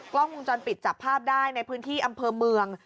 กล้องวงจรปิดจับภาพได้ในพื้นที่อำเภอเมือง